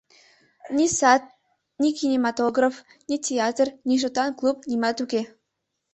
Ни сад, ни кинематограф, ни театр, ни шотан клуб — нимат уке!